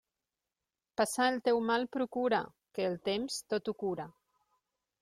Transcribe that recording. Passar el teu mal procura, que el temps tot ho cura.